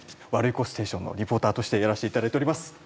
「ワルイコステーション」のリポーターとしてやらせていただいております。